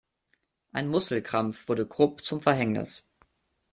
Ein Muskelkrampf wurde Krupp zum Verhängnis.